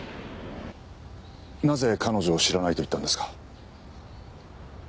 なぜ彼女を知らないと言ったんですか？